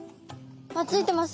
あっついてます。